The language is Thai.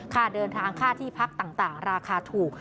ค่าเดินทางค่าที่พักต่างราคาถูก